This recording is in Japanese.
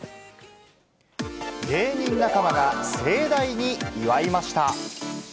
芸人仲間が盛大に祝いました。